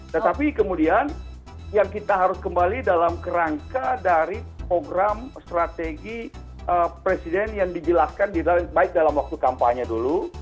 tetapi kemudian yang kita harus kembali dalam kerangka dari program strategi presiden yang dijelaskan baik dalam waktu kampanye dulu